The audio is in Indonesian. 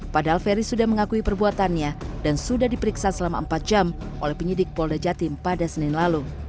padahal ferry sudah mengakui perbuatannya dan sudah diperiksa selama empat jam oleh penyidik polda jatim pada senin lalu